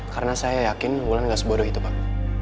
karena saya yakin wulan gak sebodoh itu pak